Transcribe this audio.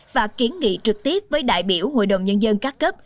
và kiến nghị trực tiếp với đại biểu hội đồng nhân dân các cấp